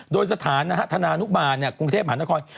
โดยสถานธนานุบาลกรุงเทพหานคร